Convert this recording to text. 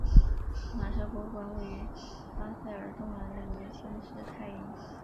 马车博物馆位于巴塞尔东南的明兴施泰因。